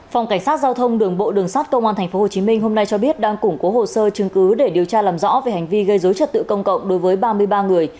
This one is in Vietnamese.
phòng cảnh sát giao thông đường bộ đường sát công an tp hcm hôm nay cho biết đang củng cố hồ sơ chứng cứ để điều tra làm rõ về hành vi gây dối trật tự công cộng đối với ba mươi ba người